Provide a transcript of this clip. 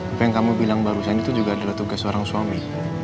apa yang kamu bilang barusan itu juga adalah tugas seorang suami